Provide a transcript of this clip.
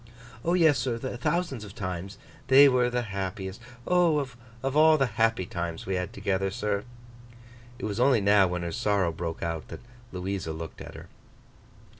'O, yes, sir, thousands of times. They were the happiest—O, of all the happy times we had together, sir!' It was only now when her sorrow broke out, that Louisa looked at her.